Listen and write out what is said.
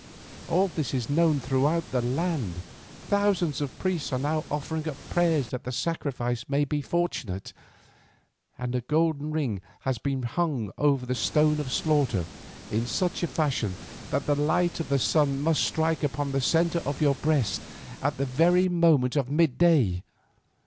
All this is known throughout the land; thousands of priests are now offering up prayers that the sacrifice may be fortunate, and a golden ring has been hung over the stone of slaughter in such a fashion that the light of the sun must strike upon the centre of your breast at the very moment of mid day.